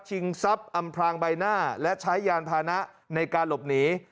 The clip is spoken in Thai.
ทรัพย์อำพลางใบหน้าและใช้ยานพานะในการหลบหนี